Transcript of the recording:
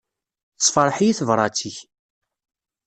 Tessefṛeḥ-iyi tebrat-ik.